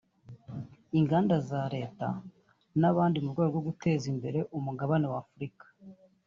ingandaza leta n’abandi mu rwego rwo guteza imbere umugabane w’Afurika